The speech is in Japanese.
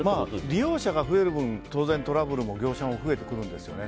利用者が増える分当然、業者もトラブルも増えてくるんですよね。